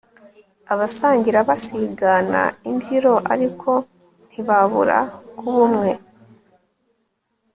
abasangira basigana imbyiro ariko ntibabura kuba umwe